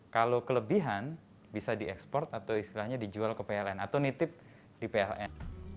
kalau kelebihan bisa diekspor atau istilahnya dijual ke pln atau nitip di pln